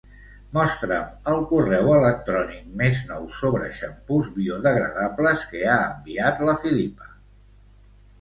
Mostra'm el correu electrònic més nou sobre xampús biodegradables que ha enviat la Filipa.